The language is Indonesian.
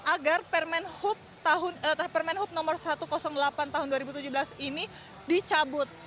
agar permen hub nomor satu ratus delapan tahun dua ribu tujuh belas ini dicabut